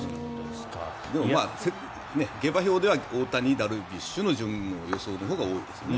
でも下馬評では大谷、ダルビッシュの順の予想のほうが多いですよね。